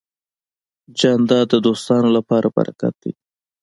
جانداد د دوستانو لپاره برکت دی.